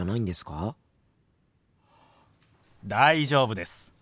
大丈夫です。